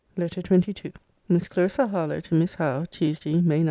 LETTER XXII MISS CLARISSA HARLOWE, TO MISS HOWE TUESDAY, MAY 9.